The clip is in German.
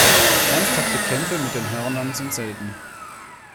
Ernsthafte Kämpfe mit den Hörnern sind selten.